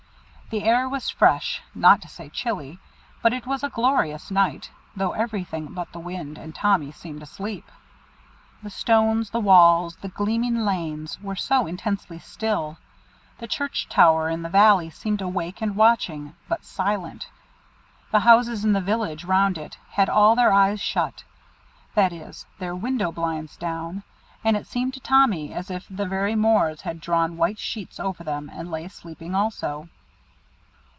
The air was fresh, not to say chilly; but it was a glorious night, though everything but the wind and Tommy seemed asleep. The stones, the walls, the gleaming lanes, were so intensely still; the church tower in the valley seemed awake and watching, but silent; the houses in the village round it had all their eyes shut, that is, their window blinds down; and it seemed to Tommy as if the very moors had drawn white sheets over them, and lay sleeping also.